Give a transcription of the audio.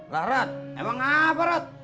lah rat emang ngapain rat